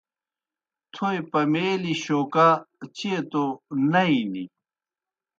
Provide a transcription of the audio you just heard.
تھوئے پمَیلیْ شوکا چیئے توْ نئی نیْ۔